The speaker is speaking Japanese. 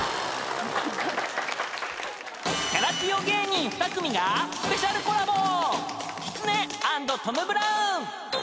［キャラ強芸人２組がスペシャルコラボ］